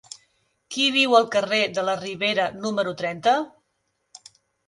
Qui viu al carrer de la Ribera número trenta?